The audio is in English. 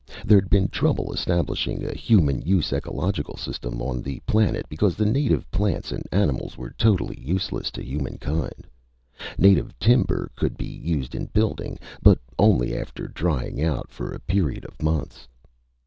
There'd been trouble establishing a human use ecological system on the planet because the native plants and animals were totally useless to humankind. Native timber could be used in building, but only after drying out for a period of months.